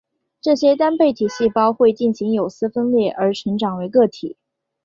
这些单倍体细胞会进行有丝分裂而成长为个体。